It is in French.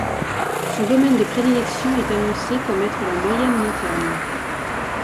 Son domaine de prédilection est annoncé comme être la moyenne montagne.